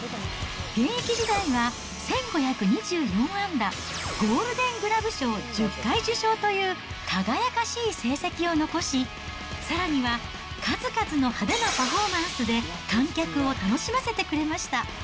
現役時代は、１５２４安打、ゴールデングラブ賞１０回受賞という、輝かしい成績を残し、さらには数々の派手なパフォーマンスで、観客を楽しませてくれました。